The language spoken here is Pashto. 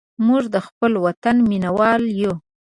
موږ د خپل وطن مینهوال یو.